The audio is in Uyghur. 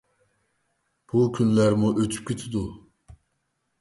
بۇ كۈنلەرمۇ ئۆتۈپ كېتىدۇ.